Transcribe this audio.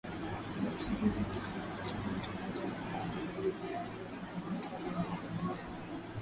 Virusi hivyo husambaa kutoka mtu mmoja hadi kwa mwingine na baina ya watu waliokaribiana